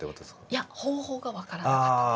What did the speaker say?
いや方法が分からなかったんです。